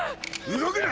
動くな！